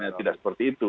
tidak seperti itu